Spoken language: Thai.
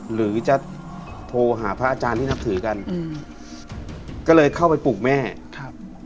หรือจะโทรหาพระอาจารย์ที่นับถือกันอืมก็เลยเข้าไปปลูกแม่ครับ